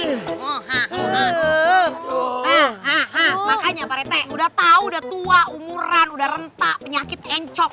nah makanya parete udah tau udah tua umuran udah rentak penyakit encok